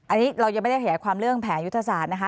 อันนี้เรายังไม่ได้แผลความเรื่องแผนยุทธศาสตร์นะคะ